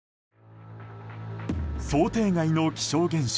想定外の気象現象。